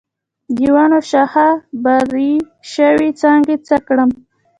د ونو شاخه بري شوي څانګې څه کړم؟